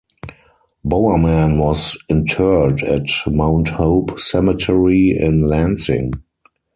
Bowerman was interred at Mount Hope Cemetery in Lansing.